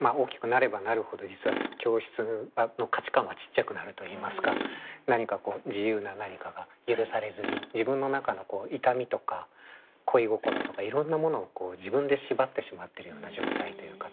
大きくなればなるほど実は教室の価値観はちっちゃくなるといいますか自由な何かが許されずに自分の中の痛みとか恋心とかいろんなものを自分で縛ってしまっているような状態というか。